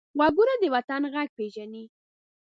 غوږونه د وطن غږ پېژني